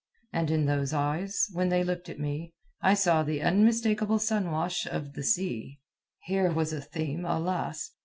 And in those eyes, when they looked at me, I saw the unmistakable sun wash of the sea. Here was a theme, alas!